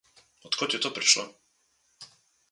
Od kod je to prišlo?